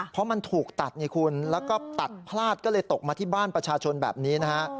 เพราะมันถูกตัดไงคุณแล้วก็ตัดพลาดก็เลยตกมาที่บ้านประชาชนแบบนี้นะฮะ